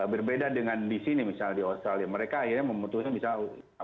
berbeda dengan di sini misalnya di australia mereka akhirnya memutuskan misalnya